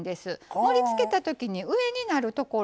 盛りつけたときに上になるところ。